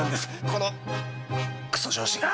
このクソ上司が。